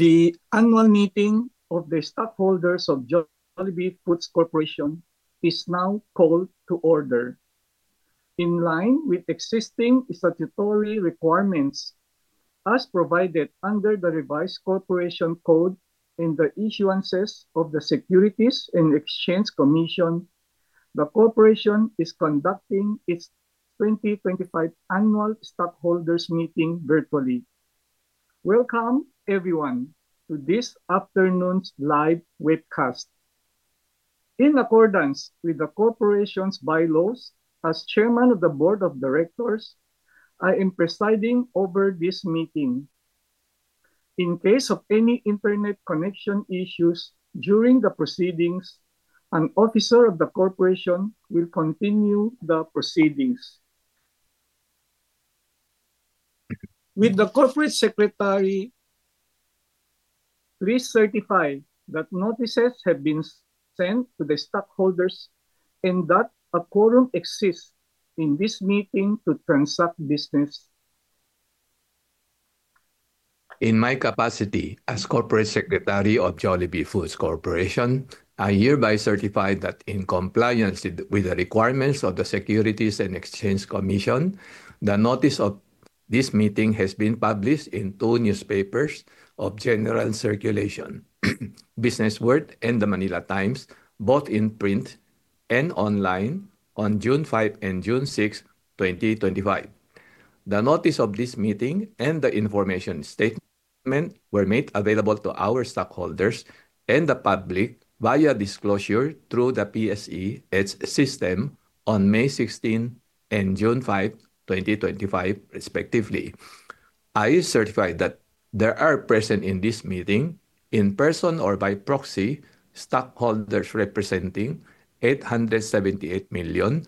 The annual meeting of the stakeholders of Jollibee Foods Corporation is now called to order. In line with existing statutory requirements as provided under the revised Corporation Code and the issuances of the Securities and Exchange Commission, the Corporation is conducting its 2025 Annual Stakeholders Meeting virtually. Welcome, everyone, to this afternoon's live webcast. In accordance with the Corporation's bylaws, as Chairman of the Board of Directors, I am presiding over this meeting. In case of any internet connection issues during the proceedings, an officer of the Corporation will continue the proceedings. Will the Corporate Secretary please certify that notices have been sent to the stakeholders and that a quorum exists in this meeting to transact business. In my capacity as Corporate Secretary of Jollibee Foods Corporation, I hereby certify that in compliance with the requirements of the Securities and Exchange Commission, the notice of this meeting has been published in two newspapers of general circulation, Business World and The Manila Times, both in print and online, on June 5 and June 6, 2025. The notice of this meeting and the information statement were made available to our stakeholders and the public via disclosure through the PSE Edge system on May 16 and June 5, 2025, respectively. I certify that there are present in this meeting, in person or by proxy, stakeholders representing 878,643,471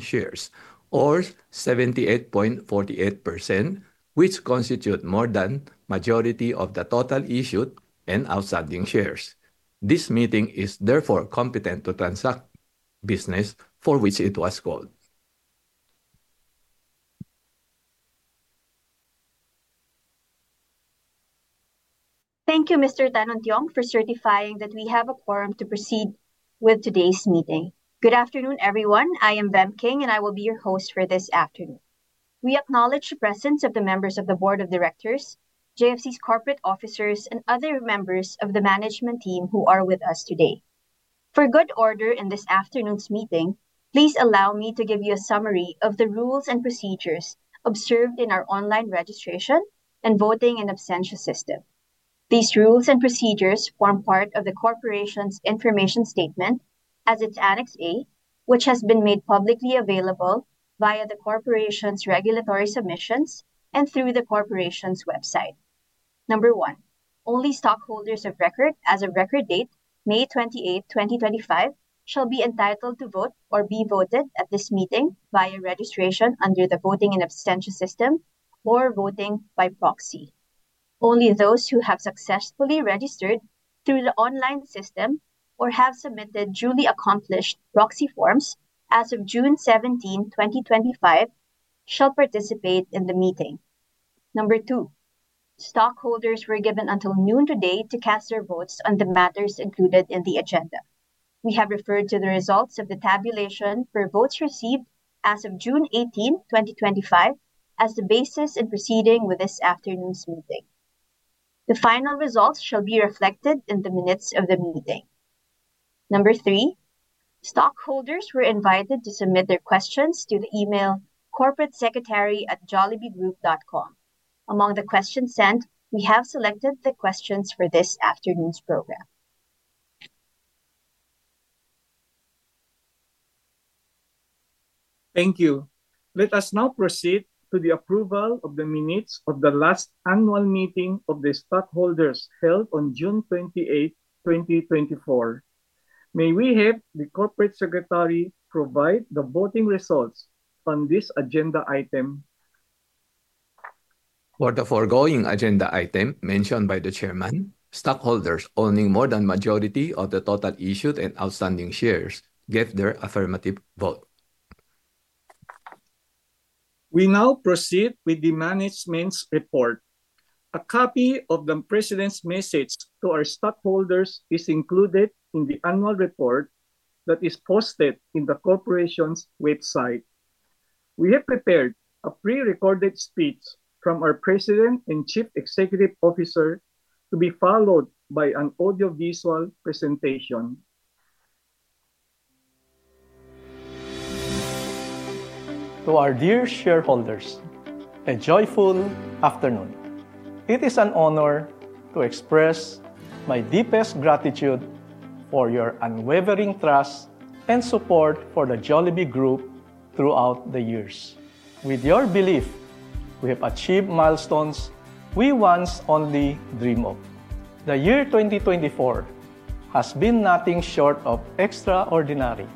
shares, or 78.48%, which constitute more than the majority of the total issued and outstanding shares. This meeting is therefore competent to transact business for which it was called. Thank you, Mr. Tan Untiong, for certifying that we have a quorum to proceed with today's meeting. Good afternoon, everyone. I am Vem King, and I will be your host for this afternoon. We acknowledge the presence of the members of the Board of Directors, JFC's corporate officers, and other members of the management team who are with us today. For good order in this afternoon's meeting, please allow me to give you a summary of the rules and procedures observed in our online registration and voting and absentia system. These rules and procedures form part of the Corporation's information statement as its Annex A, which has been made publicly available via the Corporation's regulatory submissions and through the Corporation's website. Number one, only stockholders of record as of record date, May 28, 2025, shall be entitled to vote or be voted at this meeting via registration under the voting and absentia system or voting by proxy. Only those who have successfully registered through the online system or have submitted duly accomplished proxy forms as of June 17, 2025, shall participate in the meeting. Number two, stockholders were given until noon today to cast their votes on the matters included in the agenda. We have referred to the results of the tabulation for votes received as of June 18, 2025, as the basis in proceeding with this afternoon's meeting. The final results shall be reflected in the minutes of the meeting. Number three, stockholders were invited to submit their questions to the email corporatesecretary@jollibeegroup.com. Among the questions sent, we have selected the questions for this afternoon's program. Thank you. Let us now proceed to the approval of the minutes of the last annual meeting of the stockholders held on June 28, 2024. May we have the Corporate Secretary provide the voting results on this agenda item? For the foregoing agenda item mentioned by the Chairman, stockholders owning more than the majority of the total issued and outstanding shares gave their affirmative vote. We now proceed with the management's report. A copy of the President's message to our stockholders is included in the annual report that is posted in the Corporation's website. We have prepared a pre-recorded speech from our President and Chief Executive Officer to be followed by an audio-visual presentation. To our dear shareholders, a joyful afternoon. It is an honor to express my deepest gratitude for your unwavering trust and support for the Jollibee Group throughout the years. With your belief, we have achieved milestones we once only dreamed of. The year 2024 has been nothing short of extraordinary.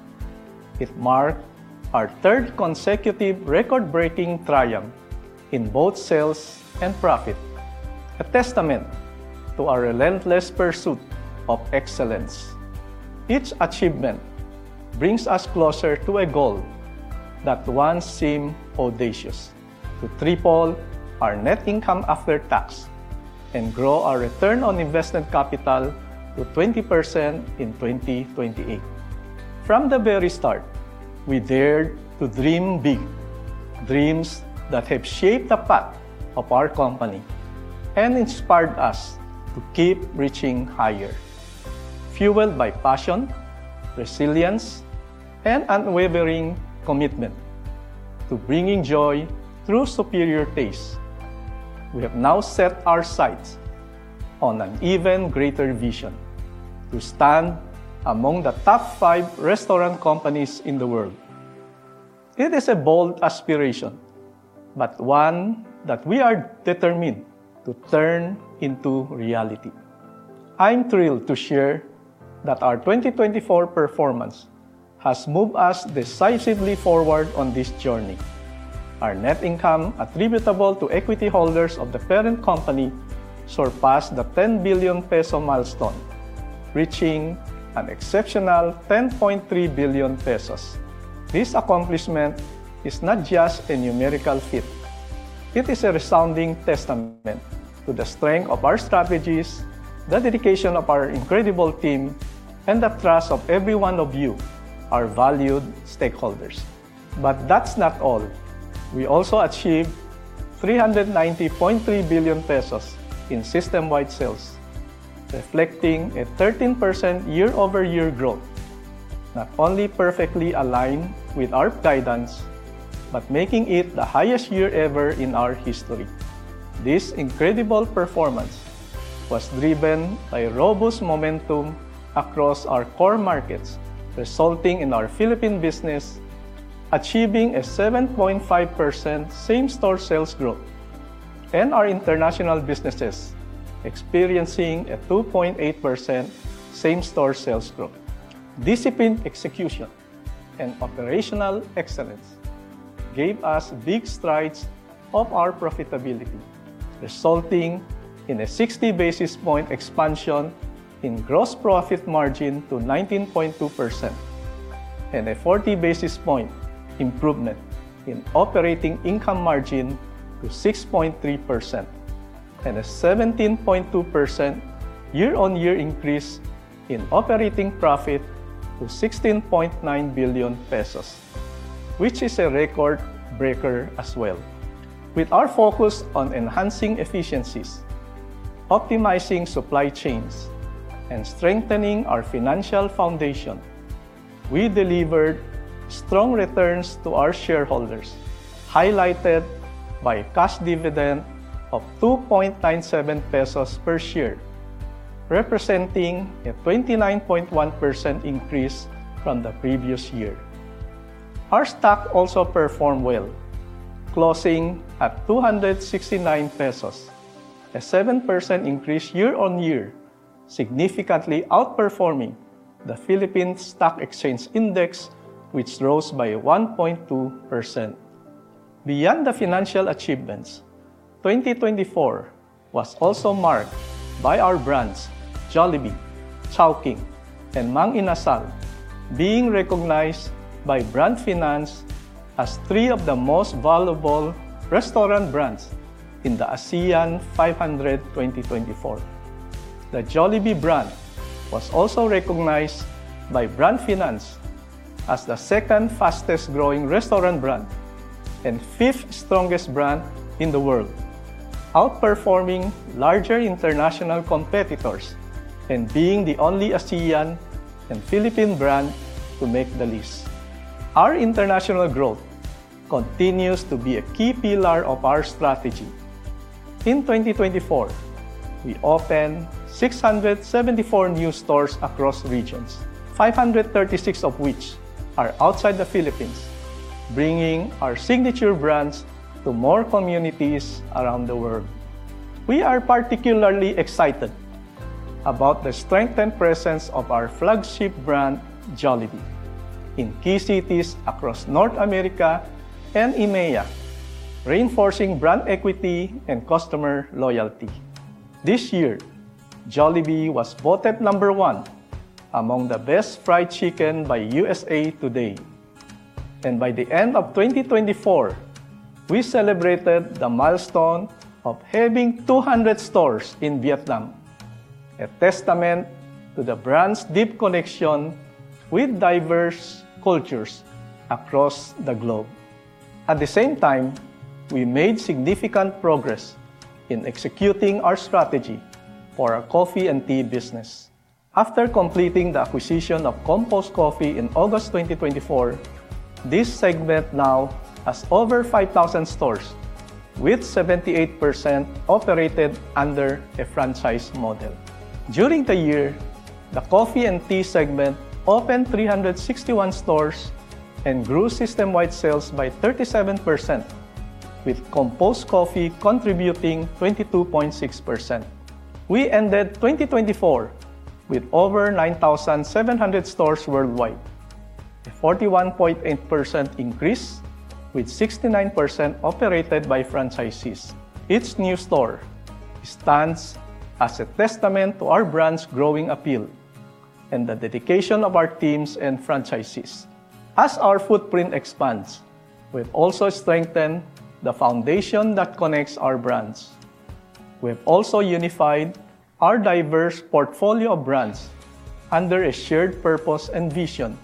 It marked our third consecutive record-breaking triumph in both sales and profit, a testament to our relentless pursuit of excellence. Each achievement brings us closer to a goal that once seemed audacious: to triple our NIAT and grow our ROI capital to 20% in 2028. From the very start, we dared to dream big, dreams that have shaped the path of our company and inspired us to keep reaching higher. Fueled by passion, resilience, and unwavering commitment to bringing joy through superior taste, we have now set our sights on an even greater vision to stand among the top five restaurant companies in the world. It is a bold aspiration, but one that we are determined to turn into reality. I'm thrilled to share that our 2024 performance has moved us decisively forward on this journey. Our net income, attributable to equity holders of the parent company, surpassed the 10 billion peso milestone, reaching an exceptional 10.3 billion pesos. This accomplishment is not just a numerical feat. It is a resounding testament to the strength of our strategies, the dedication of our incredible team, and the trust of every one of you, our valued stakeholders. But that's not all. We also achieved 390.3 billion pesos in system-wide sales, reflecting a 13% year-over-year growth, not only perfectly aligned with our guidance, but making it the highest year ever in our history. This incredible performance was driven by robust momentum across our core markets, resulting in our Philippine business achieving a 7.5% same-store sales growth, and our international businesses experiencing a 2.8% same-store sales growth. Disciplined execution and operational excellence gave us big strides of our profitability, resulting in a 60 basis point expansion in gross profit margin to 19.2%, and a 40 basis point improvement in operating income margin to 6.3%, and a 17.2% year-on-year increase in operating profit to 16.9 billion pesos, which is a record-breaker as well. With our focus on enhancing efficiencies, optimizing supply chains, and strengthening our financial foundation, we delivered strong returns to our shareholders, highlighted by a cash dividend of 2.97 pesos per share, representing a 29.1% increase from the previous year. Our stock also performed well, closing at 269 pesos, a 7% increase year-on-year, significantly outperforming the Philippine Stock Exchange Index, which rose by 1.2%. Beyond the financial achievements, 2024 was also marked by our brands, Jollibee, Chowking, and Mang Inasal, being recognized by Brand Finance as three of the most valuable restaurant brands in the ASEAN 500 2024. The Jollibee brand was also recognized by Brand Finance as the second fastest-growing restaurant brand and fifth strongest brand in the world, outperforming larger international competitors and being the only ASEAN and Philippine brand to make the list. Our international growth continues to be a key pillar of our strategy. In 2024, we opened 674 new stores across regions, 536 of which are outside the Philippines, bringing our signature brands to more communities around the world. We are particularly excited about the strengthened presence of our flagship brand, Jollibee, in key cities across North America and EMEA, reinforcing brand equity and customer loyalty. This year, Jollibee was voted number one among the best fried chicken by USA Today. By the end of 2024, we celebrated the milestone of having 200 stores in Vietnam, a testament to the brand's deep connection with diverse cultures across the globe. At the same time, we made significant progress in executing our strategy for our coffee and tea business. After completing the acquisition of Compose Coffee in August 2024, this segment now has over 5,000 stores, with 78% operated under a franchise model. During the year, the coffee and tea segment opened 361 stores and grew system-wide sales by 37%, with Compose Coffee contributing 22.6%. We ended 2024 with over 9,700 stores worldwide, a 41.8% increase, with 69% operated by franchisees. Each new store stands as a testament to our brand's growing appeal and the dedication of our teams and franchisees. As our footprint expands, we have also strengthened the foundation that connects our brands. We have also unified our diverse portfolio of brands under a shared purpose and vision,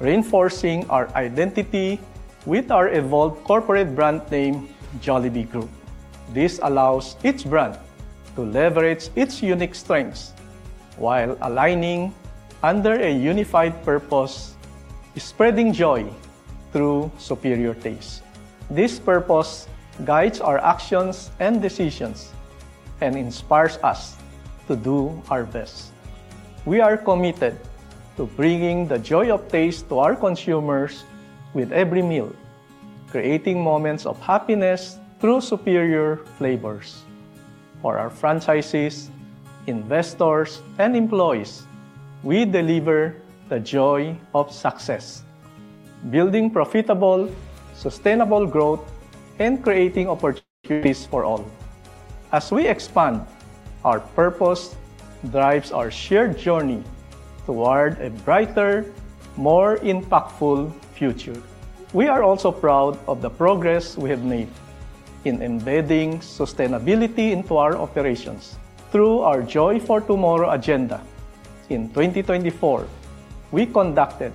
reinforcing our identity with our evolved corporate brand name, Jollibee Group. This allows each brand to leverage its unique strengths while aligning under a unified purpose, spreading joy through superior taste. This purpose guides our actions and decisions and inspires us to do our best. We are committed to bringing the joy of taste to our consumers with every meal, creating moments of happiness through superior flavors. For our franchisees, investors, and employees, we deliver the joy of success, building profitable, sustainable growth, and creating opportunities for all. As we expand, our purpose drives our shared journey toward a brighter, more impactful future. We are also proud of the progress we have made in embedding sustainability into our operations through our Joy for Tomorrow agenda. In 2024, we conducted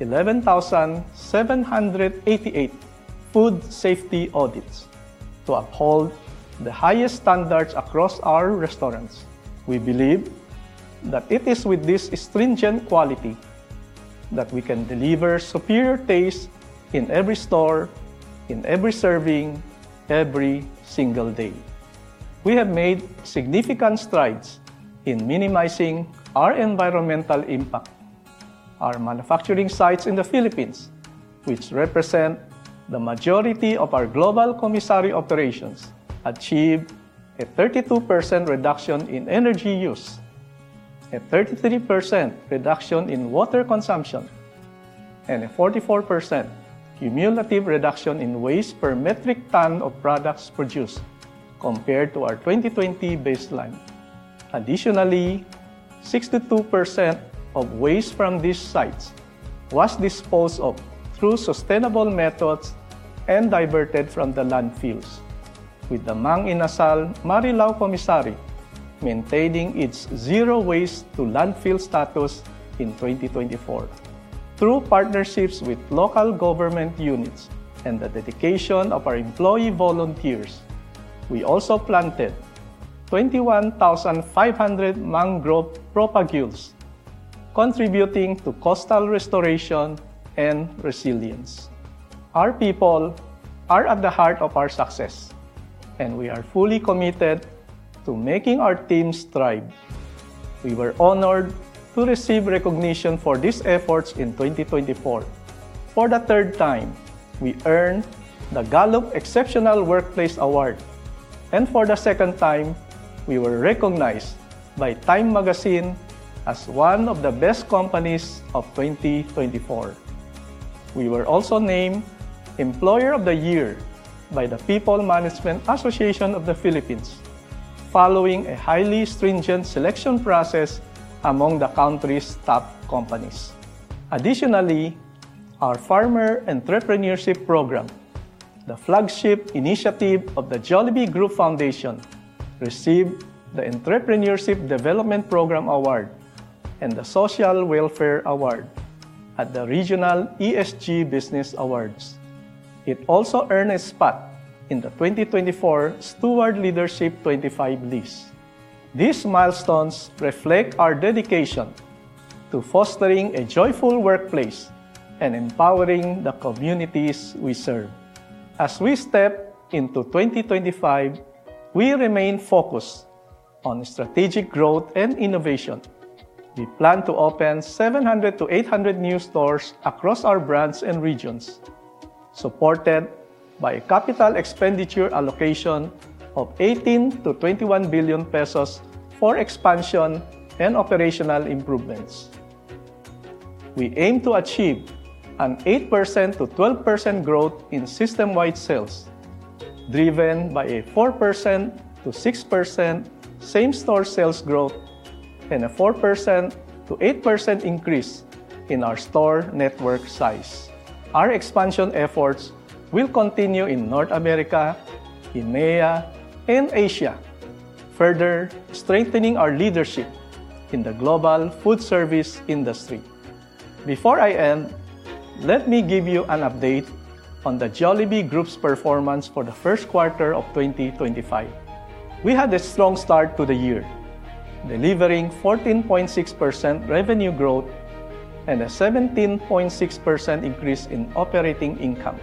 11,788 food safety audits to uphold the highest standards across our restaurants. We believe that it is with this stringent quality that we can deliver superior taste in every store, in every serving, every single day. We have made significant strides in minimizing our environmental impact. Our manufacturing sites in the Philippines, which represent the majority of our global commissary operations, achieved a 32% reduction in energy use, a 33% reduction in water consumption, and a 44% cumulative reduction in waste per metric ton of products produced compared to our 2020 baseline. Additionally, 62% of waste from these sites was disposed of through sustainable methods and diverted from the landfills, with the Mang Inasal Marilao Commissary maintaining its zero waste to landfill status in 2024. Through partnerships with local government units and the dedication of our employee volunteers, we also planted 21,500 mangrove propagules, contributing to coastal restoration and resilience. Our people are at the heart of our success, and we are fully committed to making our teams thrive. We were honored to receive recognition for these efforts in 2024. For the third time, we earned the Gallup Exceptional Workplace Award, and for the second time, we were recognized by Time Magazine as one of the best companies of 2024. We were also named Employer of the Year by the People Management Association of the Philippines, following a highly stringent selection process among the country's top companies. Additionally, our Farmer Entrepreneurship Program, the flagship initiative of the Jollibee Group Foundation, received the Entrepreneurship Development Program Award and the Social Welfare Award at the regional ESG Business Awards. It also earned a spot in the 2024 Steward Leadership 25 list. These milestones reflect our dedication to fostering a joyful workplace and empowering the communities we serve. As we step into 2025, we remain focused on strategic growth and innovation. We plan to open 700-800 new stores across our brands and regions, supported by a capital expenditure allocation of 18 billion-21 billion pesos for expansion and operational improvements. We aim to achieve an 8%-12% growth in system-wide sales, driven by a 4%-6% same-store sales growth and a 4%-8% increase in our store network size. Our expansion efforts will continue in North America, EMEA, and Asia, further strengthening our leadership in the global food service industry. Before I end, let me give you an update on the Jollibee Group's performance for the first quarter of 2025. We had a strong start to the year, delivering 14.6% revenue growth and a 17.6% increase in operating income.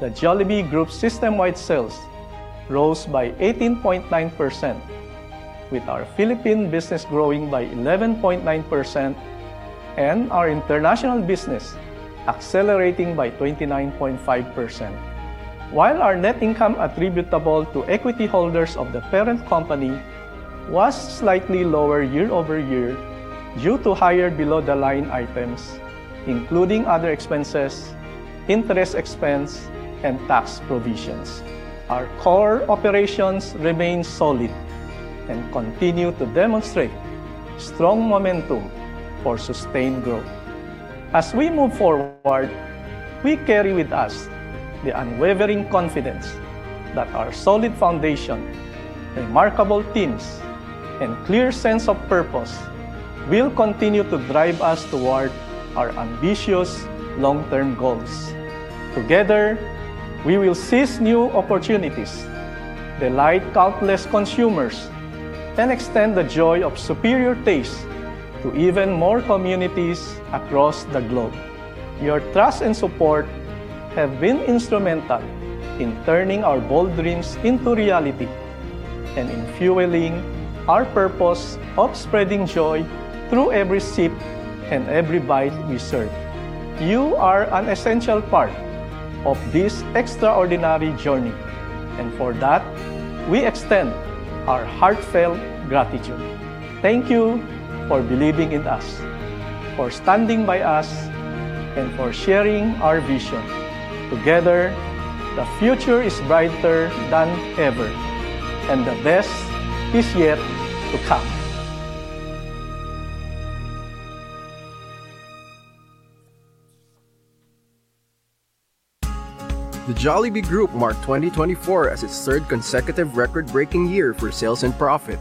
The Jollibee Group's system-wide sales rose by 18.9%, with our Philippine business growing by 11.9% and our international business accelerating by 29.5%. While our net income attributable to equity holders of the parent company was slightly lower year-over-year due to higher below-the-line items, including other expenses, interest expense, and tax provisions, our core operations remain solid and continue to demonstrate strong momentum for sustained growth. As we move forward, we carry with us the unwavering confidence that our solid foundation, remarkable teams, and clear sense of purpose will continue to drive us toward our ambitious long-term goals. Together, we will seize new opportunities, delight countless consumers, and extend the joy of superior taste to even more communities across the globe. Your trust and support have been instrumental in turning our bold dreams into reality and in fueling our purpose of spreading joy through every sip and every bite we serve. You are an essential part of this extraordinary journey, and for that, we extend our heartfelt gratitude. Thank you for believing in us, for standing by us, and for sharing our vision. Together, the future is brighter than ever, and the best is yet to come. The Jollibee Group marked 2024 as its third consecutive record-breaking year for sales and profit.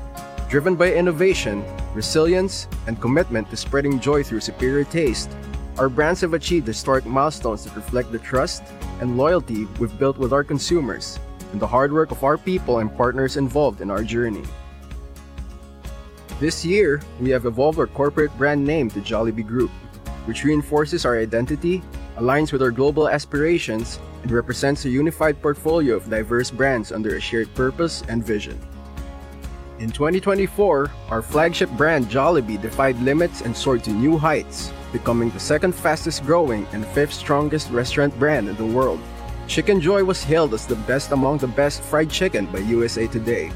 Driven by innovation, resilience, and commitment to spreading joy through superior taste, our brands have achieved historic milestones that reflect the trust and loyalty we've built with our consumers and the hard work of our people and partners involved in our journey. This year, we have evolved our corporate brand name to Jollibee Group, which reinforces our identity, aligns with our global aspirations, and represents a unified portfolio of diverse brands under a shared purpose and vision. In 2024, our flagship brand, Jollibee, defied limits and soared to new heights, becoming the second fastest-growing and fifth strongest restaurant brand in the world. Chickenjoy was hailed as the best among the best fried chicken by USA Today.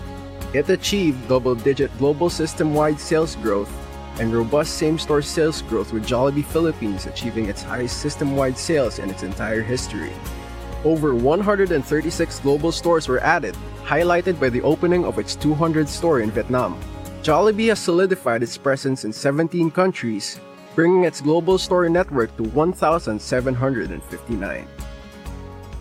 It achieved double-digit global system-wide sales growth and robust same-store sales growth, with Jollibee Philippines achieving its highest system-wide sales in its entire history. Over 136 global stores were added, highlighted by the opening of its 200th store in Vietnam. Jollibee has solidified its presence in 17 countries, bringing its global store network to 1,759.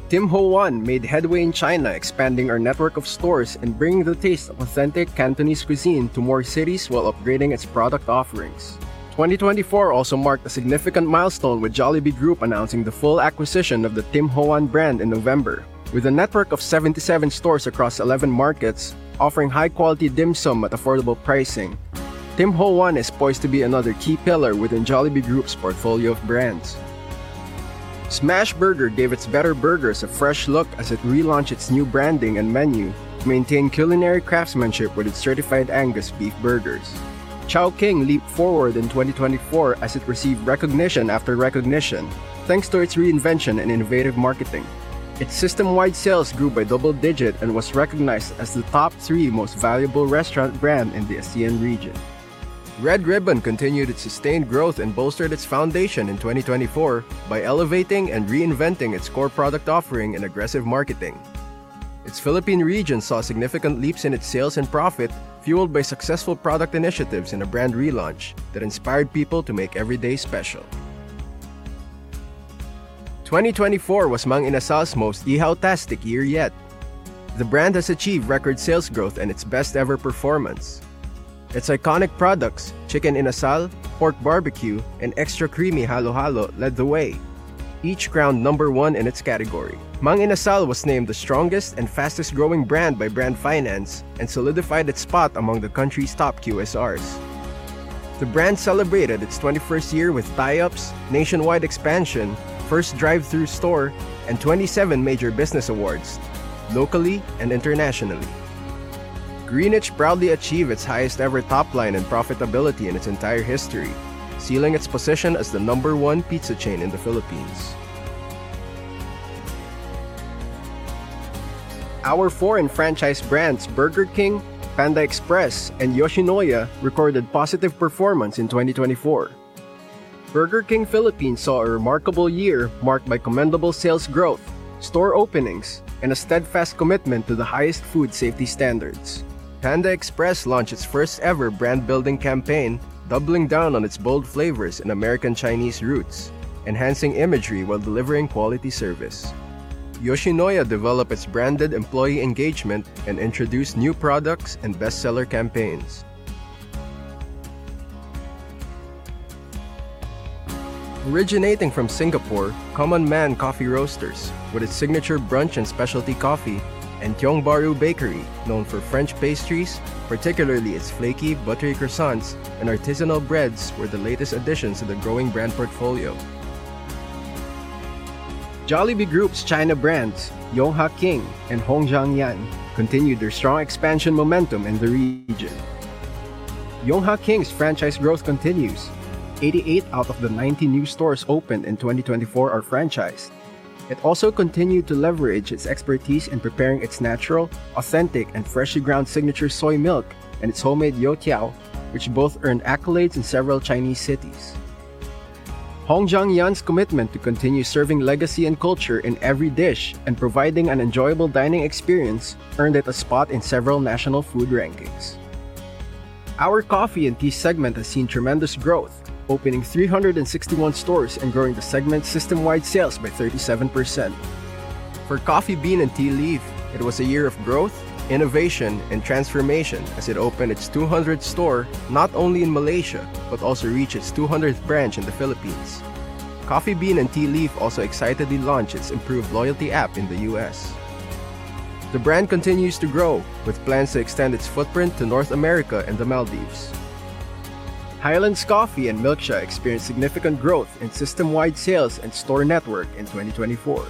Tim Ho Wan made headway in China, expanding our network of stores and bringing the taste of authentic Cantonese cuisine to more cities while upgrading its product offerings. 2024 also marked a significant milestone, with Jollibee Group announcing the full acquisition of the Tim Ho Wan brand in November, with a network of 77 stores across 11 markets offering high-quality dim sum at affordable pricing. Tim Ho Wan is poised to be another key pillar within Jollibee Group's portfolio of brands. Smashburger gave its better burgers a fresh look as it relaunched its new branding and menu, maintaining culinary craftsmanship with its certified Angus beef burgers. Chowking leaped forward in 2024 as it received recognition after recognition thanks to its reinvention and innovative marketing. Its system-wide sales grew by double digit and was recognized as the top three most valuable restaurant brand in the ASEAN region. Red Ribbon continued its sustained growth and bolstered its foundation in 2024 by elevating and reinventing its core product offering and aggressive marketing. Its Philippine region saw significant leaps in its sales and profit, fueled by successful product initiatives and a brand relaunch that inspired people to make every day special. 2024 was Mang Inasal's most ihaltastic year yet. The brand has achieved record sales growth and its best-ever performance. Its iconic products, Chicken Inasal, Pork Barbecue, and Extra Creamy Halo-Halo, led the way, each crowned number one in its category. Mang Inasal was named the strongest and fastest-growing brand by Brand Finance and solidified its spot among the country's top QSRs. The brand celebrated its 21st year with tie-ups, nationwide expansion, first drive-thru store, and 27 major business awards locally and internationally. Greenwich proudly achieved its highest-ever top line and profitability in its entire history, sealing its position as the number one pizza chain in the Philippines. Our foreign franchise brands, Burger King, Panda Express, and Yoshinoya, recorded positive performance in 2024. Burger King Philippines saw a remarkable year marked by commendable sales growth, store openings, and a steadfast commitment to the highest food safety standards. Panda Express launched its first-ever brand-building campaign, doubling down on its bold flavors and American-Chinese roots, enhancing imagery while delivering quality service. Yoshinoya developed its branded employee engagement and introduced new products and bestseller campaigns. Originating from Singapore, Common Man Coffee Roasters, with its signature brunch and specialty coffee, and Tiong Bahru Bakery, known for French pastries, particularly its flaky, buttery croissants and artisanal breads, were the latest additions to the growing brand portfolio. Jollibee Group's China brands, Yonghe King and Hong Zhuang Yuan, continued their strong expansion momentum in the region. Yonghe King's franchise growth continues. 88 out of the 90 new stores opened in 2024 are franchised. It also continued to leverage its expertise in preparing its natural, authentic, and freshly ground signature soy milk and its homemade youtiao, which both earned accolades in several Chinese cities. Hongjiang Yan's commitment to continue serving legacy and culture in every dish and providing an enjoyable dining experience earned it a spot in several national food rankings. Our coffee and tea segment has seen tremendous growth, opening 361 stores and growing the segment's system-wide sales by 37%. For Coffee Bean and Tea Leaf, it was a year of growth, innovation, and transformation as it opened its 200th store not only in Malaysia but also reached its 200th branch in the Philippines. Coffee Bean and Tea Leaf also excitedly launched its improved loyalty app in the U.S. The brand continues to grow, with plans to extend its footprint to North America and the Maldives. Highlands Coffee and Milksha experienced significant growth in system-wide sales and store network in 2024.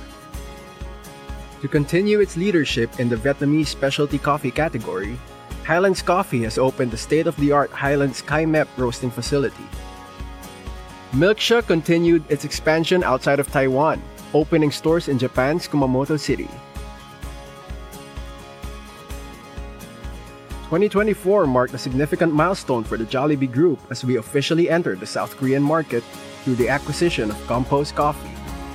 To continue its leadership in the Vietnamese specialty coffee category, Highlands Coffee has opened the state-of-the-art Highlands Kai Mep roasting facility. Milksha continued its expansion outside of Taiwan, opening stores in Japan's Kumamoto City. 2024 marked a significant milestone for the Jollibee Group as we officially entered the South Korean market through the acquisition of Compose Coffee,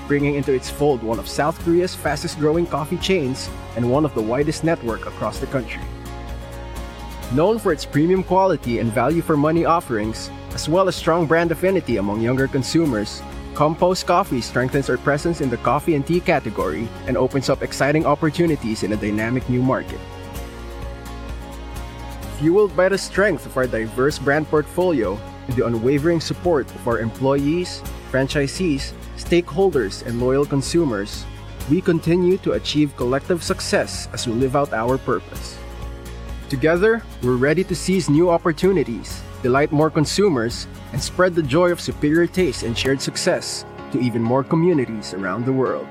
bringing into its fold one of South Korea's fastest-growing coffee chains and one of the widest networks across the country. Known for its premium quality and value-for-money offerings, as well as strong brand affinity among younger consumers, Compose Coffee strengthens our presence in the coffee and tea category and opens up exciting opportunities in a dynamic new market. Fueled by the strength of our diverse brand portfolio and the unwavering support of our employees, franchisees, stakeholders, and loyal consumers, we continue to achieve collective success as we live out our purpose. Together, we're ready to seize new opportunities, delight more consumers, and spread the joy of superior taste and shared success to even more communities around the world.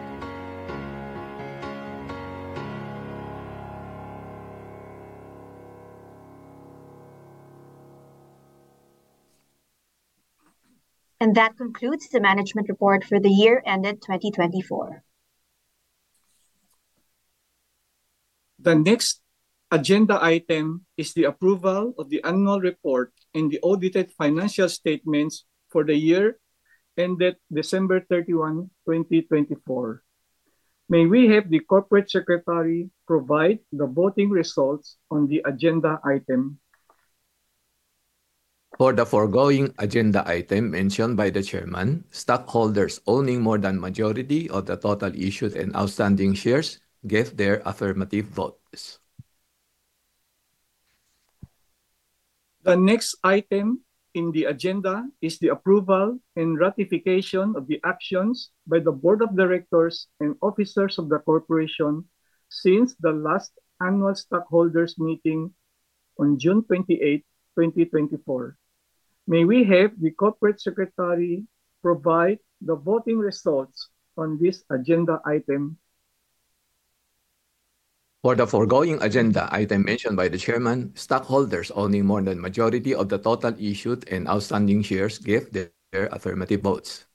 That concludes the management report for the year ended 2024. The next agenda item is the approval of the annual report and the audited financial statements for the year ended December 31, 2024. May we have the Corporate Secretary provide the voting results on the agenda item? For the foregoing agenda item mentioned by the Chairman, stockholders owning more than the majority of the total issued and outstanding shares gave their affirmative votes. The next item in the agenda is the approval and ratification of the actions by the Board of Directors and officers of the corporation since the last annual stockholders' meeting on June 28, 2024. May we have the Corporate Secretary provide the voting results on this agenda item? For the foregoing agenda item mentioned by the Chairman, stockholders owning more than the majority of the total issued and outstanding shares gave their affirmative votes.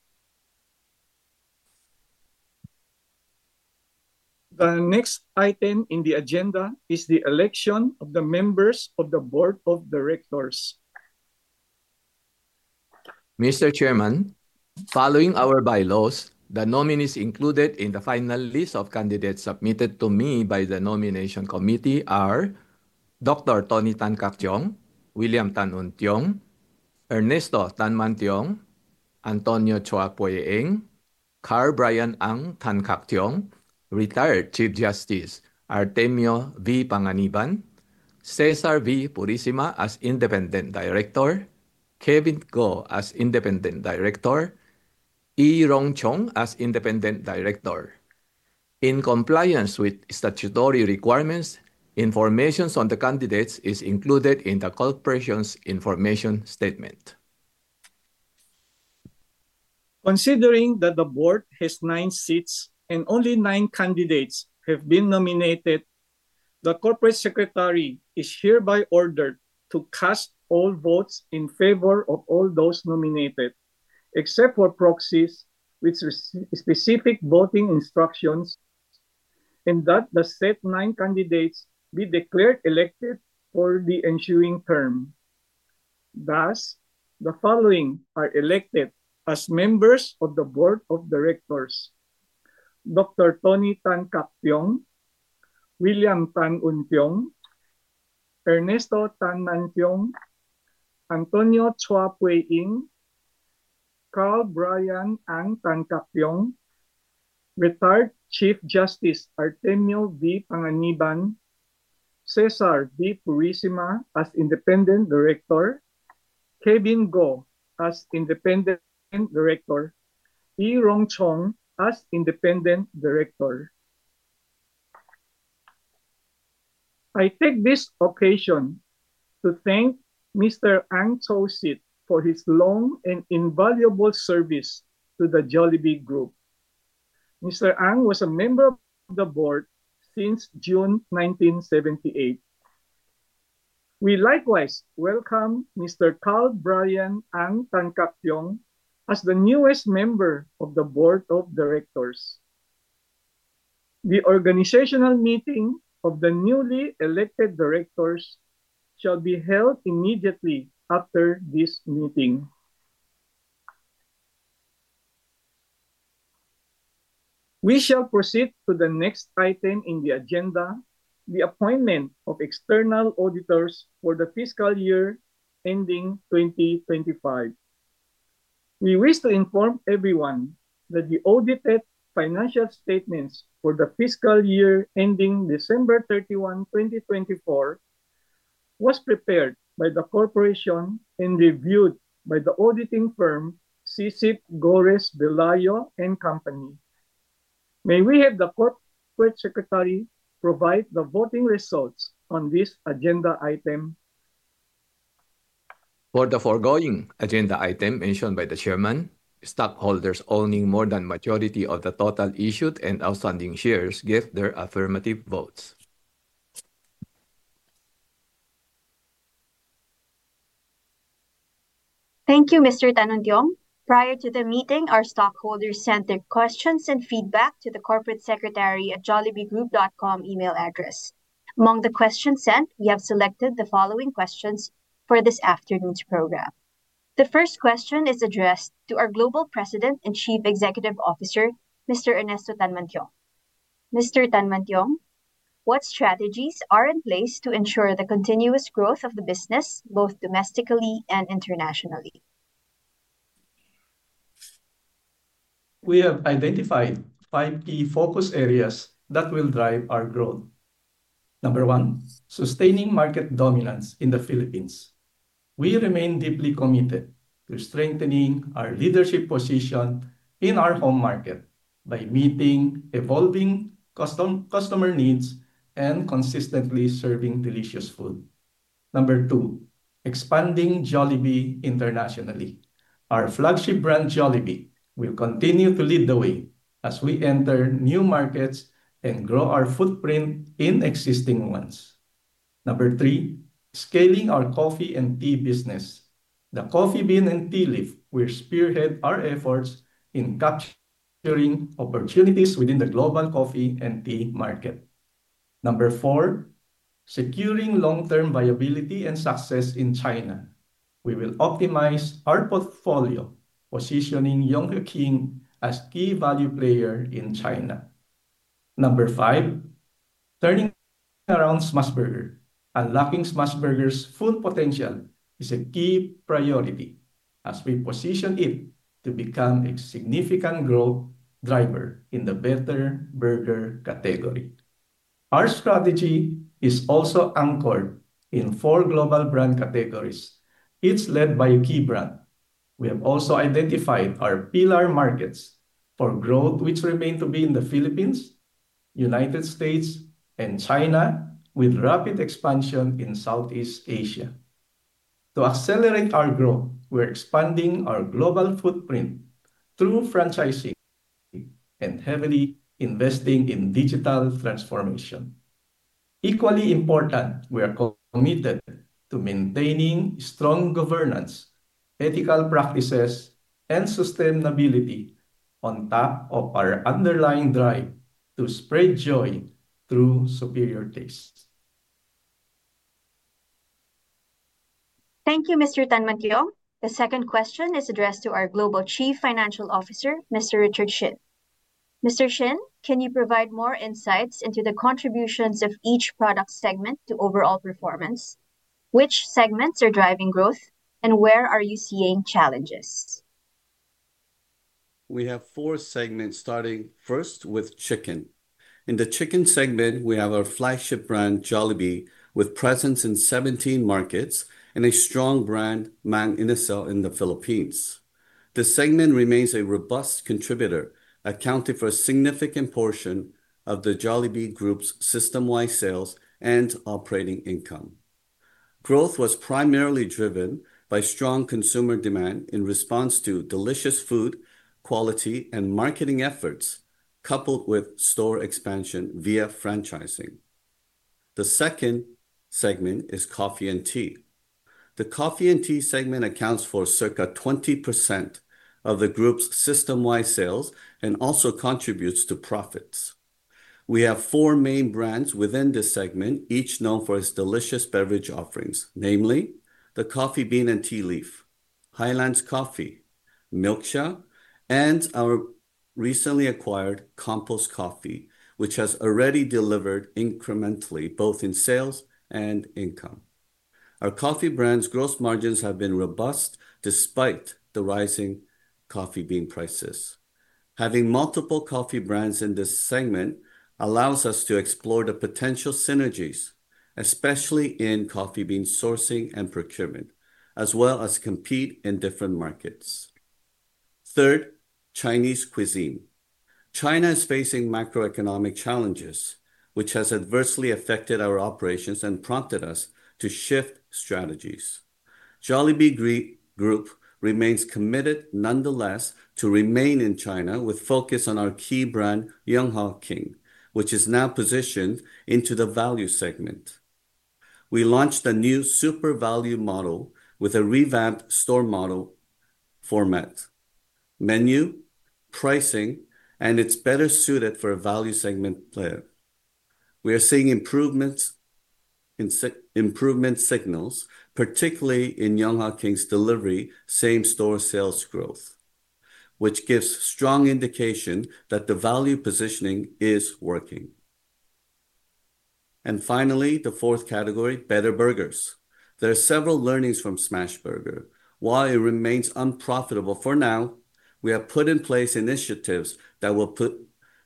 The next item in the agenda is the election of the members of the board of directors. Mr. Chairman, following our bylaws, the nominees included in the final list of candidates submitted to me by the nomination committee are Dr. Tony Tan Caktiong, William Tan Untiong, Ernesto Tanmantiong, Antonio Chua Poe Eng, Carl Brian Ang Tan Caktiong, retired Chief Justice Artemio V. Panganiban, Cesar V. Purisima as Independent Director, Kevin Go as Independent Director, E. Ron Zong as Independent Director. In compliance with statutory requirements, information on the candidates is included in the corporation's information statement. Considering that the board has nine seats and only nine candidates have been nominated, the Corporate Secretary is hereby ordered to cast all votes in favor of all those nominated, except for proxies with specific voting instructions, and that the set nine candidates be declared elected for the ensuing term. Thus, the following are elected as members of the Board of Directors: Dr. Tony Tan Caktiong, William Tan Untiong, Ernesto Tanmantiong, Antonio Chua Poe Eng, Carl Brian Ang Tan Caktiong, retired Chief Justice Artemio V. Panganiban, Cesar V. Purisima as Independent Director, Kevin Go as Independent Director, E. Ron Zong as Independent Director. I take this occasion to thank Mr. Ang Cho Sit for his long and invaluable service to the Jollibee Group. Mr. Ang was a member of the board since June 1978. We likewise welcome Mr. Carl Brian Ang Tan Caktiong as the newest member of the board of directors. The organizational meeting of the newly elected directors shall be held immediately after this meeting. We shall proceed to the next item in the agenda: the appointment of external auditors for the fiscal year ending 2025. We wish to inform everyone that the audited financial statements for the fiscal year ending December 31, 2024, were prepared by the corporation and reviewed by the auditing firm Sycip Gorres Velayo and Company. May we have the corporate secretary provide the voting results on this agenda item? For the foregoing agenda item mentioned by the chairman, stockholders owning more than the majority of the total issued and outstanding shares gave their affirmative votes. Thank you, Mr. Tan Untiong. Prior to the meeting, our stockholders sent their questions and feedback to the corporate secretary@jollibeegroup.com email address. Among the questions sent, we have selected the following questions for this afternoon's program. The first question is addressed to our Global President and Chief Executive Officer, Mr. Ernesto Tanmantiong. Mr. Tanmantiong, what strategies are in place to ensure the continuous growth of the business both domestically and internationally? We have identified five key focus areas that will drive our growth. Number one, sustaining market dominance in the Philippines. We remain deeply committed to strengthening our leadership position in our home market by meeting evolving customer needs and consistently serving delicious food. Number two, expanding Jollibee internationally. Our flagship brand, Jollibee, will continue to lead the way as we enter new markets and grow our footprint in existing ones. Number three, scaling our coffee and tea business. The Coffee Bean and Tea Leaf will spearhead our efforts in capturing opportunities within the global coffee and tea market. Number four, securing long-term viability and success in China. We will optimize our portfolio, positioning Yonghe King as a key value player in China. Number five, turning around Smashburger. Unlocking Smashburger's full potential is a key priority as we position it to become a significant growth driver in the better burger category. Our strategy is also anchored in four global brand categories. It's led by a key brand. We have also identified our pillar markets for growth, which remain to be in the Philippines, United States, and China, with rapid expansion in Southeast Asia. To accelerate our growth, we're expanding our global footprint through franchising and heavily investing in digital transformation. Equally important, we are committed to maintaining strong governance, ethical practices, and sustainability on top of our underlying drive to spread joy through superior taste. Thank you, Mr. Tan Mantiong. The second question is addressed to our Global Chief Financial Officer, Mr. Richard Shin. Mr. Shin, can you provide more insights into the contributions of each product segment to overall performance? Which segments are driving growth, and where are you seeing challenges? We have four segments starting first with chicken. In the chicken segment, we have our flagship brand, Jollibee, with presence in 17 markets and a strong brand, Mang Inasal, in the Philippines. The segment remains a robust contributor, accounting for a significant portion of the Jollibee Group's system-wide sales and operating income. Growth was primarily driven by strong consumer demand in response to delicious food quality and marketing efforts, coupled with store expansion via franchising. The second segment is coffee and tea. The coffee and tea segment accounts for circa 20% of the group's system-wide sales and also contributes to profits. We have four main brands within this segment, each known for its delicious beverage offerings, namely The Coffee Bean and Tea Leaf, Highlands Coffee, Milksha, and our recently acquired Compose Coffee, which has already delivered incrementally both in sales and income. Our coffee brands' gross margins have been robust despite the rising coffee bean prices. Having multiple coffee brands in this segment allows us to explore the potential synergies, especially in coffee bean sourcing and procurement, as well as compete in different markets. Third, Chinese cuisine. China is facing macroeconomic challenges, which has adversely affected our operations and prompted us to shift strategies. Jollibee Group remains committed nonetheless to remain in China with focus on our key brand, Yonghe King, which is now positioned into the value segment. We launched a new super value model with a revamped store model format. Menu pricing and it is better suited for a value segment player. We are seeing improvement signals, particularly in Yonghe King's delivery same-store sales growth, which gives strong indication that the value positioning is working. Finally, the fourth category, better burgers. There are several learnings from Smashburger. While it remains unprofitable for now, we have put in place initiatives that will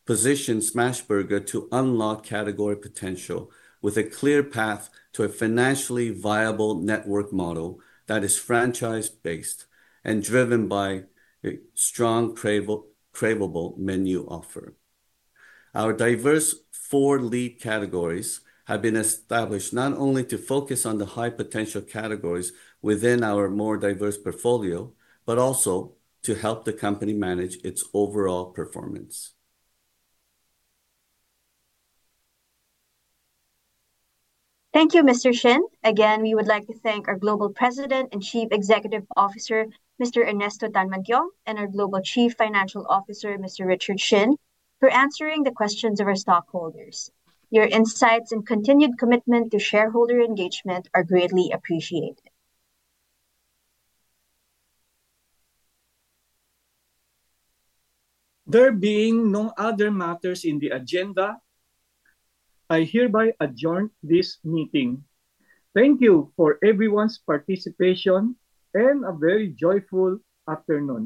position Smashburger to unlock category potential with a clear path to a financially viable network model that is franchise-based and driven by a strong craveable menu offer. Our diverse four lead categories have been established not only to focus on the high potential categories within our more diverse portfolio, but also to help the company manage its overall performance. Thank you, Mr. Shin. Again, we would like to thank our Global President and Chief Executive Officer, Mr. Ernesto Tanmantiong, and our Global Chief Financial Officer, Mr. Richard Shin, for answering the questions of our stockholders. Your insights and continued commitment to shareholder engagement are greatly appreciated. There being no other matters in the agenda, I hereby adjourn this meeting. Thank you for everyone's participation and a very joyful afternoon.